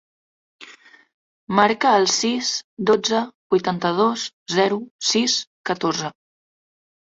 Marca el sis, dotze, vuitanta-dos, zero, sis, catorze.